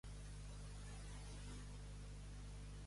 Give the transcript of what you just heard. A can Fam i Fred de Batet.